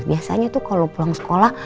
biasanya tuh kalau pulang sekolah